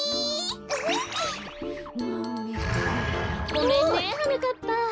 ごめんねはなかっぱ。